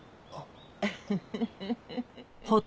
フフフフ。